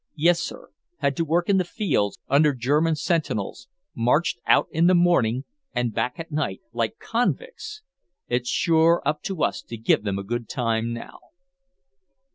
Yes, sir, had to work in the fields, under German sentinels; marched out in the morning and back at night like convicts! It's sure up to us to give them a good time now."